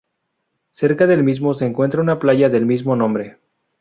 Cerca del mismo se encuentra una playa del mismo nombre.